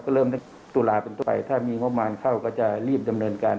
เริ่มตั้งแต่ตุลาเป็นต้นไปถ้ามีงบประมาณเข้าก็จะรีบดำเนินการ